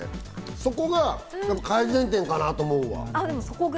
そこが改善点かなと思うわ。